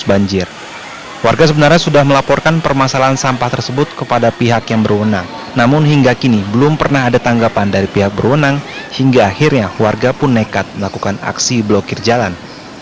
banyak bayi banyak anak kecil banyak belatu banyak ke jalan